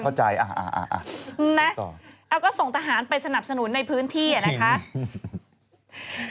ก็ส่งทหารไปสนับสนุนในพื้นที่อ่ะนะคะ